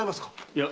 いや。